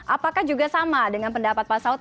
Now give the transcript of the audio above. apakah juga sama dengan pendapat pak saud